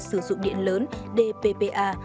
sử dụng điện lớn dppa